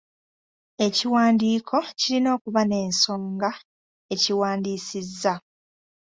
Ekiwandiiko kirina okuba n'ensonga ekiwandiisizza.